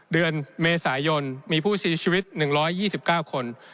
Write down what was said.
เดือนเมษายนมีผู้เสียชีวิต๑๒๙คน